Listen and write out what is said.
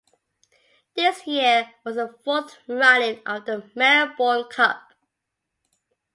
This year was the fourth running of the Melbourne Cup.